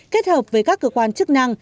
kết hợp với các cơ quan chức năng